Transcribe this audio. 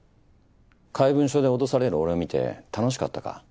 怪文書で落とされる俺を見て楽しかったか？